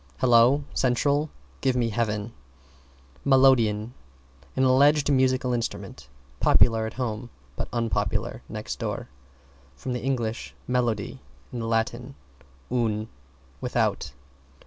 "Hello, Central! Give me Heaven!" =MELODEON= An alleged musical instrument, popular at home, but unpopular next door. From Eng. melody, and Latin, un, without.